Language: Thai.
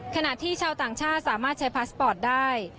ขณะที่ชาวต่างชาติสามารถใช้พาสปอร์ตได้